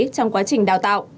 trong quá trình đào tạo